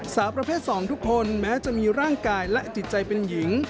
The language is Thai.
สาวประเภท๒ทุกคนแม้จะมีร่างกายและจิตใจเป็นหญิง